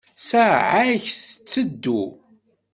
Ssaɛa-k tteddu.